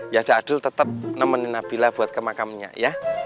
ya udah adil tetap nemenin nabila buat ke makamnya ya